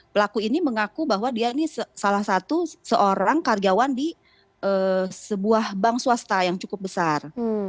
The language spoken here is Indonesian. pelaku ini mengaku bahwa dia ini salah satu seorang karyawan di sebuah bank swasta yang cukup besar